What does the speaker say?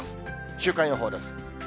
週間予報です。